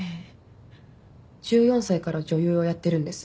１４歳から女優をやってるんです。